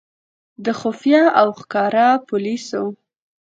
د خفیه او ښکاره پولیسو.